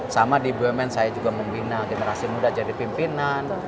sama di bumn saya juga membina generasi muda jadi pimpinan